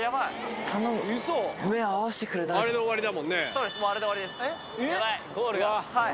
そうです。